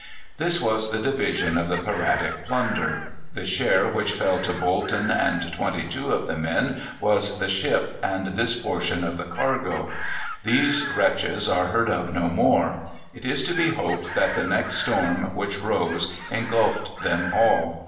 This was the division of the piratic plunder. The share which fell to Bolton and twenty two of the men was the ship and this portion of the cargo. These wretches are heard of no more. It is to be hoped that the next storm which rose engulfed them all.